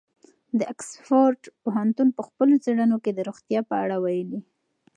د اکسفورډ پوهنتون په خپلو څېړنو کې د روغتیا په اړه ویلي.